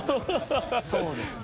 そうですね。